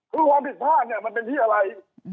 คือความผิดภาพมันเป็นที่อะไร